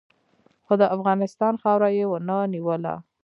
خو د افغانستان خاوره یې و نه نیوله.